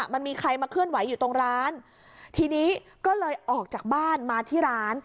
มันมีใครมาเคลื่อนไหวอยู่ตรงร้านทีนี้ก็เลยออกจากบ้านมาที่ร้าน